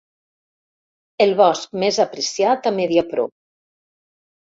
El bosc més apreciat a Mediapro.